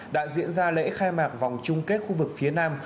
đã diễn ra lễ khai mạc vòng chung kết khu vực phía nam